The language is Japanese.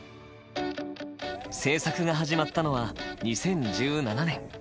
制作が始まったのは２０１７年。